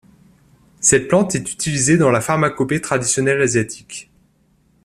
Cette plante est utilisée dans la pharmacopée traditionnelle asiatique.